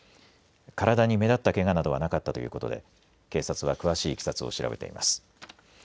体に目立ったけがなどはなかったということで警察は詳しいいきさつを調べています。